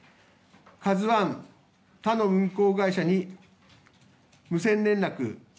「ＫＡＺＵ１」他の運航会社に無線連絡。